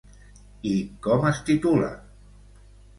I com es titula?